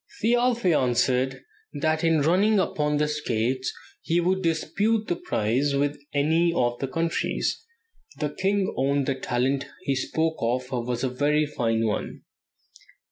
Thialfe answered that in running upon skates he would dispute the prize with any of the countries. The king owned that the talent he spoke of was a very fine one."